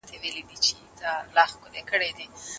علوم په دوو لويو برخو وېشل کيږي.